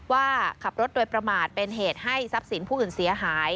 ว่าขับรถโดยประมาทเป็นเหตุให้ทรัพย์สินผู้อื่นเสียหาย